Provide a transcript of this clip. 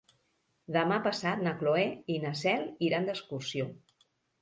Demà passat na Cloè i na Cel iran d'excursió.